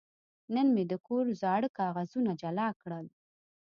نن مې د کور زاړه کاغذونه جلا کړل.